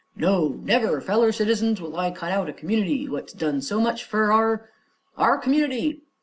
No! Never, feller citizens, will I cut out a community what's done so much fer our our community.